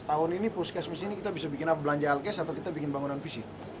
tahun ini puskesmas ini kita bisa bikin belanja alkes atau kita bikin bangunan fisik